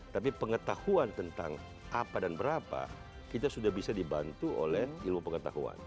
tapi pengetahuan tentang apa dan berapa kita sudah bisa dibantu oleh ilmu pengetahuan